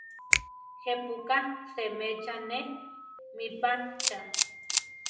¿Je pu ka seméchane mí pa chá?